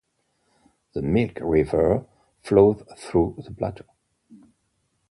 The Milk River flows through the plateau.